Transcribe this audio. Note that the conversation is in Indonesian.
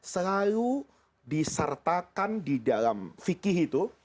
selalu disertakan di dalam fikih itu